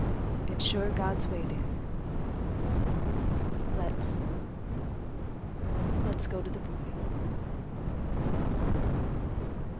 It's sure God's way, Daniel. Let's—let's go to the boy."